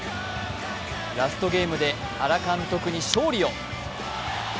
ラストゲームで原監督に勝利を。